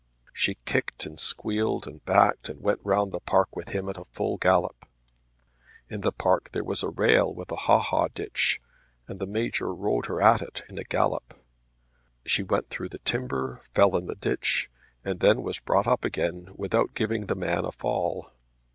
She kicked and squealed and backed and went round the park with him at a full gallop. In the park there was a rail with a ha ha ditch, and the Major rode her at it in a gallop. She went through the timber, fell in the ditch, and then was brought up again without giving the man a fall.